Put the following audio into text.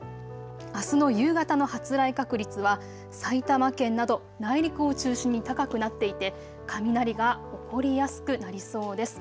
あすの夕方の発雷確率は埼玉県など内陸を中心に高くなっていて雷が起こりやすくなりそうです。